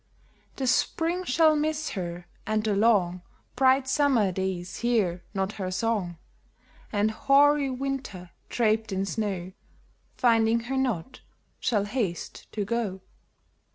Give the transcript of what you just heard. The Spring shall miss her, and the long, Bright Summer days hear not her song ; BLEST 93 And hoary Winter, draped in snow, Finding her not, shall haste to go